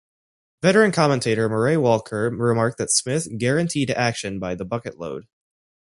Veteran commentator Murray Walker remarked that Smith "guaranteed action by the bucket-load".